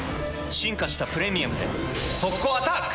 進化した「プレミアム」で速攻アタック！